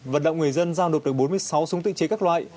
vận động người dân giao nộp được bốn mươi sáu súng tự chế các loại